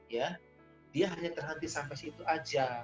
ya dia hanya terhenti sampai situ aja